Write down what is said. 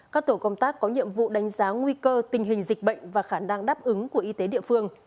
các tổ công tác có nhiệm vụ đánh giá nguy cơ tình hình dịch bệnh và khả năng đáp ứng của y tế địa phương